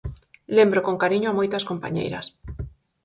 Lembro con cariño a moitas compañeiras.